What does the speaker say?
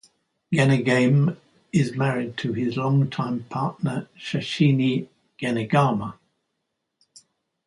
Ganegame is married to his long time partner Shashini Ganegama.